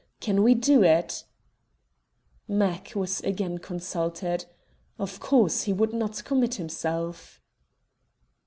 Can we do it?" "Mac" was again consulted. Of course he would not commit himself.